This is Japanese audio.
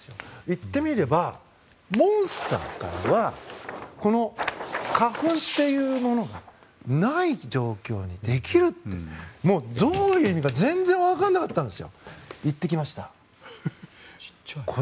言ってみればモンスターから花粉というものがない状況ができるってどういう意味か全然分からなかったので行ってきました。